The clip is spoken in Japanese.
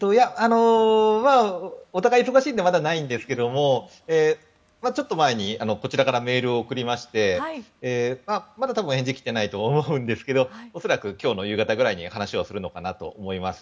お互いに忙しいのでまだないんですけれどもちょっと前にこちらからメールを送りましてまだ多分返事来てないと思うんですけど恐らく今日の夕方くらいに話をするのかなと思います。